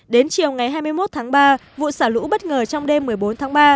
đến chiều ngày hai mươi một tháng ba vụ xả lũ bất ngờ trong đêm một mươi bốn tháng ba